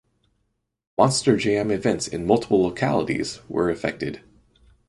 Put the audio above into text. Monster Jam events in multiple localities were affected.